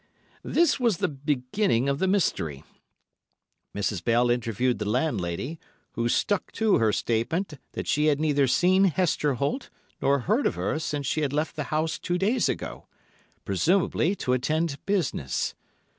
This was the beginning of the mystery. Mrs. Bell interviewed the landlady, who stuck to her statement that she had neither seen Hester Holt nor heard of her since she had left the house two days ago, presumably to attend business.